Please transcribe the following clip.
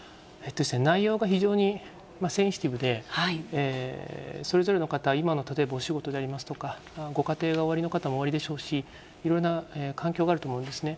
内容が非常にセンシティブで、それぞれの方、今の例えばお仕事でありますとか、ご家庭がおありの方もおありでしょうし、いろいろな環境があると思うんですね。